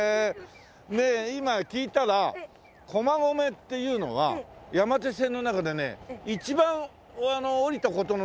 ねえ今聞いたら駒込っていうのは山手線の中でね一番降りた事のない駅１位なんですって。